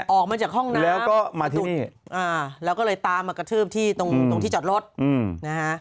อย่างนี้ตำรวจจรจรเค้าจะมีนี่นะ